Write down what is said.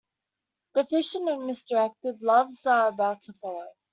Deficient and misdirected loves are about to follow.